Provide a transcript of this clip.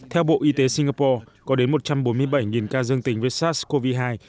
theo bộ y tế singapore có đến một trăm bốn mươi bảy ca dương tính với sars cov hai